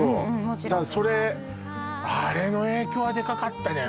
それあれの影響はでかかったね